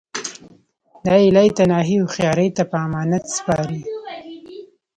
دا یې لایتناهي هوښیاري ته په امانت سپاري